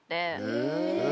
へえ。